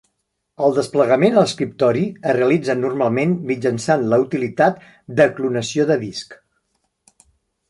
El desplegament a l'escriptori es realitza normalment mitjançant la utilitat de clonació de disc.